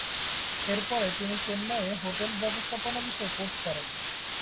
এর পরে তিনি চেন্নাইয়ে হোটেল ব্যবস্থাপনা বিষয়ে কোর্স করেন।